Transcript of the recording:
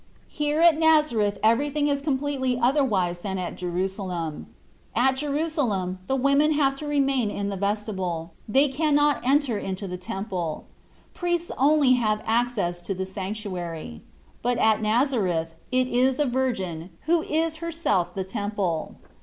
Here at Nazareth everything is completely otherwise than at Jerusalem. At Jerusalem the women have to remain in the vestibule, they cannot enter into the Temple priests only have access to the sanctuary but at Nazareth it is a virgin, who is herself the Temple.